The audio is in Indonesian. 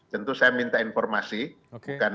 tentu saya minta informasi bukan